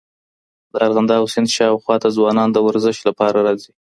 د ارغنداب سیند شاوخوا ته ځوانان د ورزش لپاره راځي. .